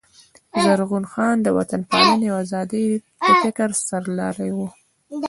زرغون خان د وطن پالني او آزادۍ د فکر سر لاری وو.